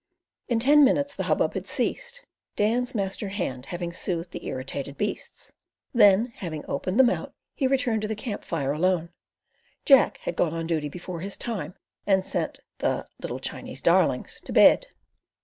In ten minutes the hubbub had ceased, Dan's master hand having soothed the irritated beasts; then having opened them out he returned to the camp fire alone. Jack had gone on duty before his time and sent the "little Chinese darlings" to bed.